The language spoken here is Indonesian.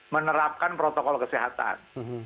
menerapkan protokol kesehatan